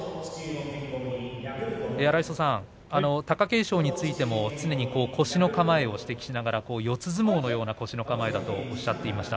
荒磯さん、貴景勝についても常に腰の構えを指摘しながら四つ相撲のような腰の構えだとおっしゃっていました。